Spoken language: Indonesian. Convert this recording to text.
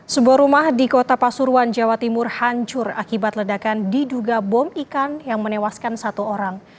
sebuah rumah di kota pasuruan jawa timur hancur akibat ledakan diduga bom ikan yang menewaskan satu orang